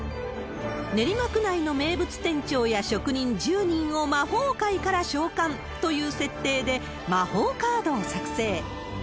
練馬区内の名物店長や職人１０人を魔法界から召喚という設定で、魔法カードを作成。